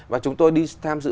và chúng tôi đi tham dự